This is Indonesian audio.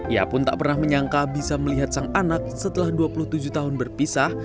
ia pun tak pernah menyangka bisa melihat sang anak setelah dua puluh tujuh tahun berpisah